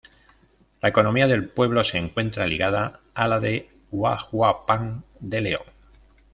La economía del pueblo se encuentra ligada a la de Huajuapan de León.